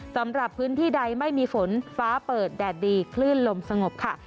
สำหรับพื้นที่ใดไม่มีฝนฟ้าเปิดแดดดีคลื่นลมสงบค่ะ